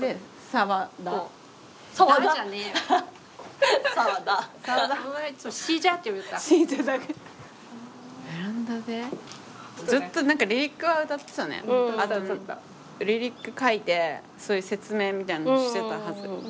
あとリリック書いてそういう説明みたいなのしてたはず。